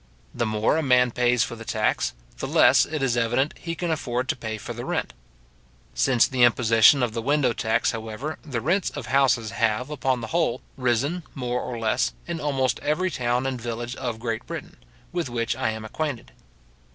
The more a man pays for the tax, the less, it is evident, he can afford to pay for the rent. Since the imposition of the window tax, however, the rents of houses have, upon the whole, risen more or less, in almost every town and village of Great Britain, with which I am acquainted.